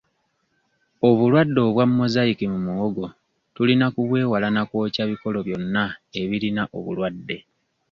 Obulwadde obwa Mosaic mu muwogo tulina kubwewala na kwokya bikolo byonna ebirina obulwadde.